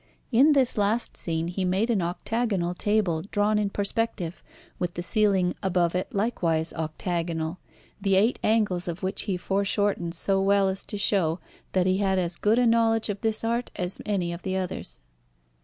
In this last scene he made an octagonal table drawn in perspective, with the ceiling above it likewise octagonal, the eight angles of which he foreshortened so well as to show that he had as good a knowledge of this art as any of the others.